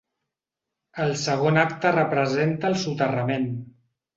El segon acte representa el soterrament.